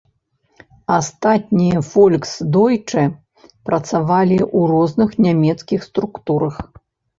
Астатнія фольксдойчэ працавалі ў розных нямецкіх структурах.